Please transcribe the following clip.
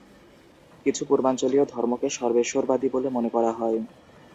কিছু পূর্বাঞ্চলীয় ধর্মকে সর্বেশ্বরবাদী বলে মনে করা হয়।